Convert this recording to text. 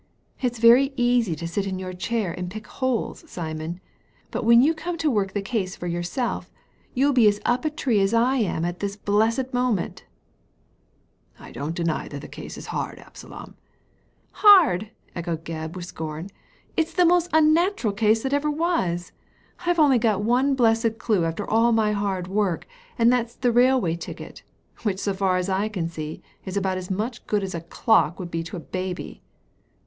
It's very easy to sit in your chair and pick holes, Simon, but when you come to work the case for yourself, you'll be as up a tree as I am at this blessed moment" I don't deny that the case is hard, Absalom." " Hard I " echoed Gebb, with scorn ;" it's the most unnaf ral case as ever was. I've only got one blessed clue after all my hard work, and that's the railway ticket ; which, so far as I can see, is about as much good as a clock would be to a baby."